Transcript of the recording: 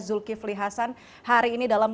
zulkifli hasan hari ini dalam